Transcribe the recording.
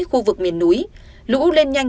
khu vực miền núi lũ lên nhanh